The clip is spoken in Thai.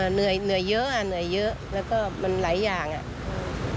เหนื่อยเยอะอะเหนื่อยเยอะแล้วก็มันหลายอย่างอะ